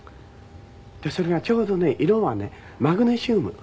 でそれがちょうどね色はねマグネシウム。